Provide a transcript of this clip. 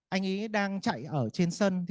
anh ấy đang chạy ở trên sân